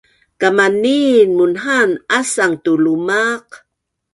kamaniin munhaan asang tu lumaq